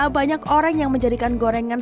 banyak orang yang menjadikan gorengan